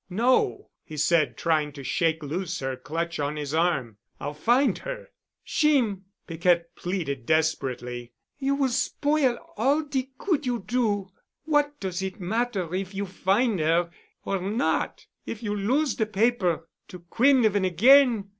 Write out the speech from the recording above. "No," he said, trying to shake loose her clutch on his arm. "I'll find her." "Jeem," Piquette pleaded desperately. "You will spoil all de good you do. What does it matter if you fin' 'er or not if you lose de paper to Quinlevin again?